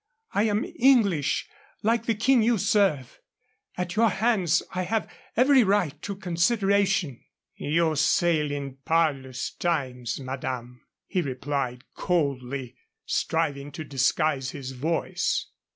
I am English, like the King you serve. At your hands I have every right to consideration." "You sail in parlous times, madame," he replied, coldly, striving to disguise his voice.